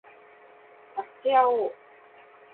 助け合おう